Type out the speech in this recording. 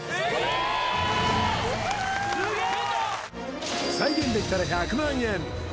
すげえ！